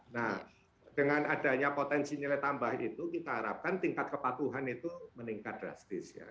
nah dengan adanya potensi nilai tambah itu kita harapkan tingkat kepatuhan itu meningkat drastis ya